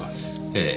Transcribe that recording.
ええ。